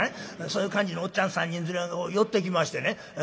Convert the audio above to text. そういう感じのおっちゃん３人連れが寄ってきましてね